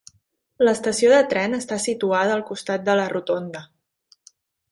L'estació de tren està situada al costat de la rotonda.